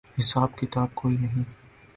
حساب کتاب کوئی نہیں۔